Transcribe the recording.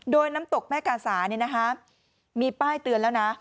โดยน้ำตกแม่กาสาเนี่ยนะคะมีป้ายเตือนแล้วนะ